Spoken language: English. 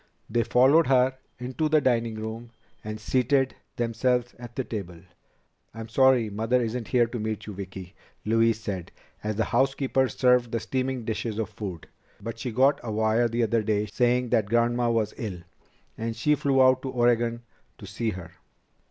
They followed her into the dining room and seated themselves at the table. "I'm sorry Mother isn't here to meet you, Vicki," Louise said, as the housekeeper served the steaming dishes of food, "but she got a wire the other day saying that Grandma was ill, and she flew out to Oregon to see her."